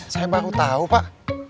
saya baru tau pak